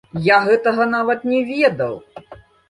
Я гэтага нават не ведаў!